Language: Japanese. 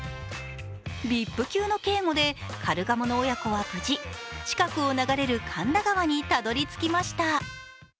ＶＩＰ級の警護でカルガモの親子は無事、近くを流れる神田川にたどりつきました。